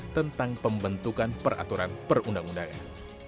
tentang pembentukan peraturan perundang undangan